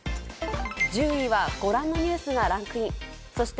１０位はご覧のニュースがランクイン。